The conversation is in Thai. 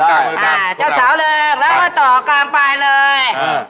อ้าเจ้าเสาร์เริ่มแล้วก็ต่อกลางปลายเลย